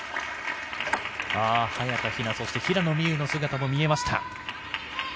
早田ひな、平野美宇の姿も見えました。